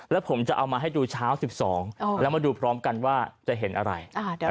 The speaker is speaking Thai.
แล้วผมจะเอามาให้ดูเช้า๑๒แล้วมาดูพร้อมกันว่าจะเห็นอะไร